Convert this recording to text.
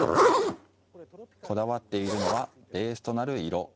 こだわっているのはベースとなる色。